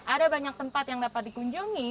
ada banyak tempat yang dapat dikunjungi